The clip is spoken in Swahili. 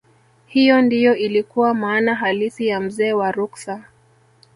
hiyo ndiyo ilikuwa maana halisi ya mzee wa ruksa